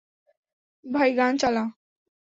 ভাই, গান চালাও।